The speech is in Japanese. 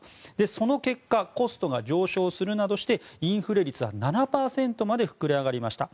その結果、コストが上昇するなどしてインフレ率は７％まで膨れ上がりました。